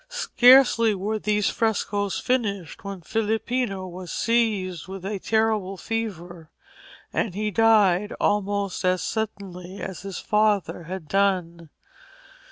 Scarcely were these frescoes finished when Filippino was seized with a terrible fever, and he died almost as suddenly as his father had done.